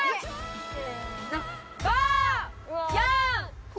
せの。